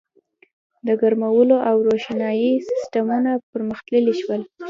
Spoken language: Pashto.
• د ګرمولو او روښنایۍ سیستمونه پرمختللي شول.